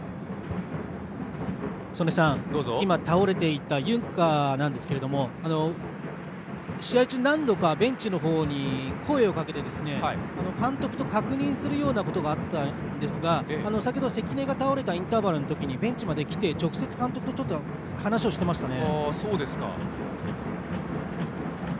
曽根さん、今、倒れていたユンカーですが試合中、何度かベンチのほうに声をかけて監督と確認するようなことがあったんですが先ほど、関根が倒れたインターバルのときにベンチまで来て直接監督と話していましたね。